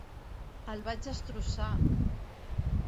El vaig destrossar!